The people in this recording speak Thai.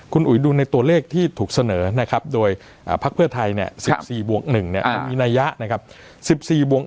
คุณอุ๊ยดูในตัวเลขที่ถูกเสนอนะครับโดยพรรคเพื่อไทยเนี่ย๑๔๑มีนายะนะครับ